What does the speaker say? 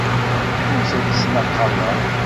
Ur tent-ttnaqameɣ.